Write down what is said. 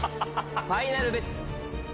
ファイナルベッツ？